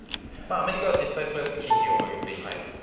アメリカは実際にそうやって金利を上げています。